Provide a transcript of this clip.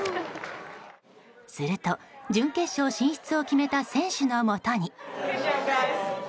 すると、準決勝進出を決めた選手のもとに。